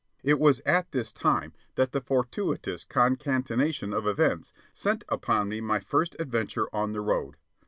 It was at this time that the fortuitous concatenation of events sent me upon my first adventure on The Road.